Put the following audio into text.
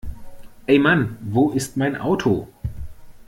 Ey Mann, wo ist mein Auto?